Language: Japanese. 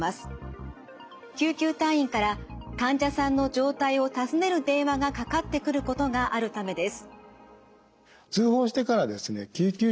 救急隊員から患者さんの状態を尋ねる電話がかかってくることがあるためです。